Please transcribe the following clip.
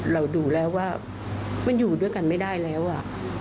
เราดูแล้วว่ามันอยู่ด้วยกันไม่ได้แล้วอ่ะ